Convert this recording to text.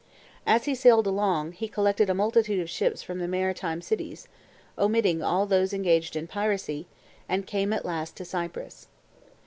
As he sailed along, he collected a multitude of ships from the maritime cities, omitting all those engaged in piracy, and came at last to Cyprus.